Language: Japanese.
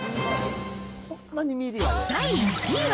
第１位は。